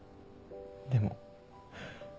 でも。